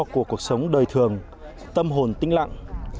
của cuộc sống đời thường tâm hồn tĩnh lặng